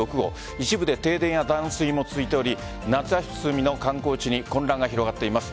一部で停電や断水も続いており夏休みの観光地に混乱が広がっています。